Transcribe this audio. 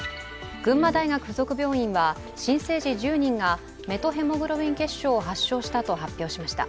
群馬大学付属病院は新生児１０人がメトヘモグロビン血症を発症したと発表しました。